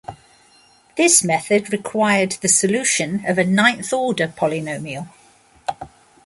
This method required the solution of a ninth order polynomial.